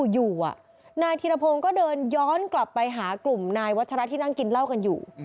อยู่นายธิรพงศ์ก็เดินย้อนกลับไปหากลุ่มนายวัชระที่นั่งกินเหล้ากันอยู่